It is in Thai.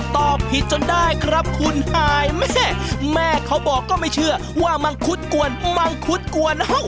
ตอบผิดจนได้ครับคุณหายแม่แม่เขาบอกก็ไม่เชื่อว่ามังคุดกวนมังคุดกวน